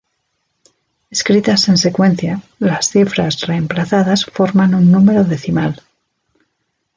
Escritas en secuencia, las cifras reemplazadas forman un número decimal.